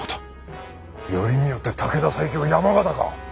よりによって武田最強山県か！